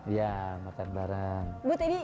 iya makan bareng